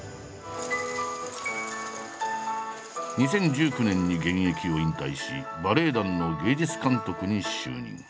２０１９年に現役を引退しバレエ団の芸術監督に就任。